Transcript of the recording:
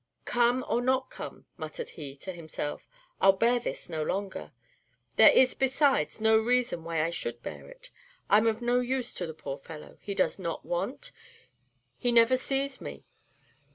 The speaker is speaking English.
"Come or not come," muttered he to himself, "I 'll bear this no longer. There is, besides, no reason why I should bear it. I 'm of no use to the poor fellow; he does not want, he never sees me.